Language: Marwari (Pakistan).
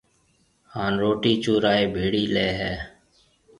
ھان روٽِي چورائيَ ڀيڙي ليَ ھيََََ